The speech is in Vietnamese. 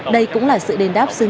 đây cũng là sự đền đáp xứng đáng